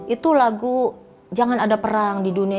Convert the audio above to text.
itu lagu jangan ada perang di dunia